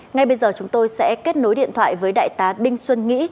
ngay bây giờ chúng tôi sẽ kết nối điện thoại với đại tá đinh xuân nghĩ